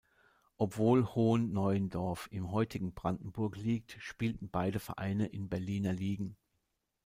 Obwohl Hohen Neuendorf im heutigen Brandenburg liegt, spielten beide Vereine in Berliner Ligen.